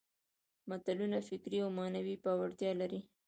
متلونه فکري او معنوي پياوړتیا لري